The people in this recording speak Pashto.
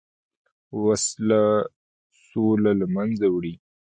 وسله سوله له منځه وړي